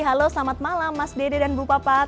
halo selamat malam mas dede dan bu papa